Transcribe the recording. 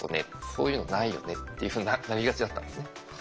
そういうのないよねっていうふうになりがちだったんですね。